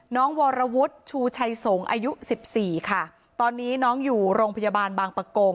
วรวุฒิชูชัยสงฆ์อายุสิบสี่ค่ะตอนนี้น้องอยู่โรงพยาบาลบางประกง